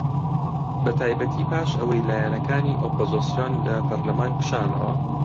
بەتایبەتی پاش ئەوەی لایەنەکانی ئۆپۆزسیۆن لە پەرلەمان کشانەوە